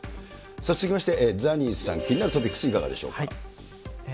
さあ、続きまして、ザニーさん、気になるトピックスいかがでしょうか。